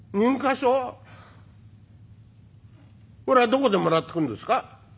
それはどこでもらってくるんですか？」。